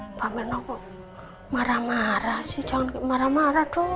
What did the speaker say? mbak mirna kok marah marah sih jangan marah marah dong